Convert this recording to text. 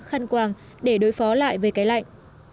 khăn quàng để đối phó lại với cái lạnh